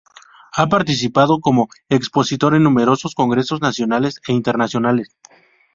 Ha participado como expositor en numerosos congresos nacionales e internacionales.